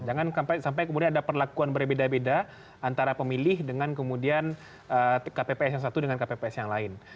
jangan sampai kemudian ada perlakuan berbeda beda antara pemilih dengan kemudian kpps yang satu dengan kpps yang lain